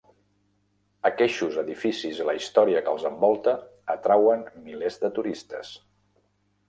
Aqueixos edificis i la història que els envolta atrauen milers de turistes.